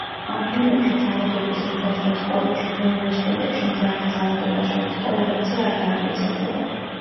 ამ ფილმებში ძალადობის ზრდას და სკოლებში თუ უნივერსიტეტებში მზარდ ძალადობას შორის კორელაცია არ დამტკიცებულა.